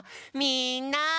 みんな！